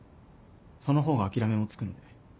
その方が諦めもつくので。